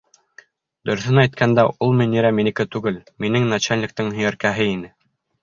Дөрөҫөн әйткәндә, ул Мөнирә минеке түгел, минең начальниктың һөйәркәһе ине.